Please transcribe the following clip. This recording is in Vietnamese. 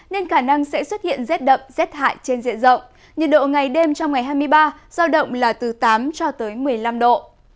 nên khả năng sẽ xuất hiện rét đậm rét hại trên diện rộng nhiệt độ ngày đêm trong ngày hai mươi ba giao động là từ tám cho tới một mươi năm độ